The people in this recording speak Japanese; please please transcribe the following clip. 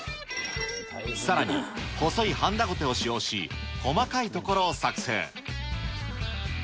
さらに、細いはんだごてを使用し、細かい所を作製。